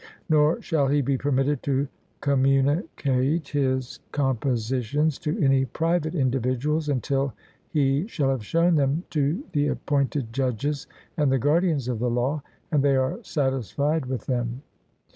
nor shall he be permitted to communicate his compositions to any private individuals, until he shall have shown them to the appointed judges and the guardians of the law, and they are satisfied with them.